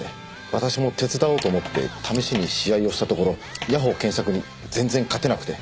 私も手伝おうと思って試しに試合をしたところ谷保健作に全然勝てなくて。